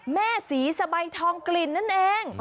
แม่ศรีสะใบทองกลิ่นนั่นเอง